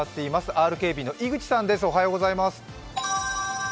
ＲＫＢの井口さんです。